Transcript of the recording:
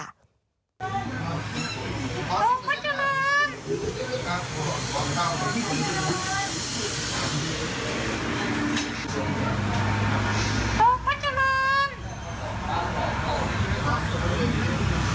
โต๊ะพระเจริญ